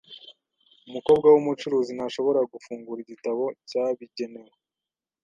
Umukobwa wumucuruzi ntashobora gufungura igitabo cyabigenewe.